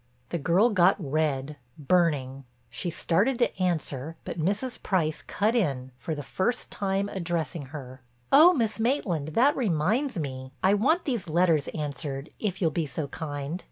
The girl got red, burning; she started to answer, but Mrs. Price cut in, for the first time addressing her: "Oh, Miss Maitland, that reminds me—I want these letters answered, if you'll be so kind.